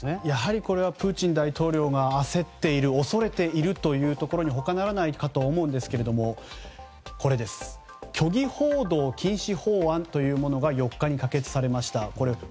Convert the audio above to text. やはりこれはプーチン大統領が焦っている恐れているというところに他ならないかと思うんですが虚偽報道禁止法案というのが４日に可決されました。